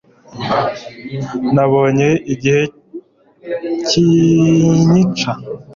nabonye igihe kinyica